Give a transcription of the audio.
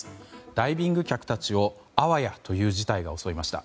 ダイビング客たちをあわやという事態が襲いました。